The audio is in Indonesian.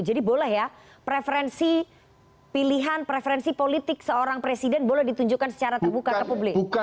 jadi boleh ya preferensi pilihan preferensi politik seorang presiden boleh ditunjukkan secara terbuka ke publik